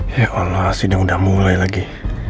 ya allah sidang udah mulai lagi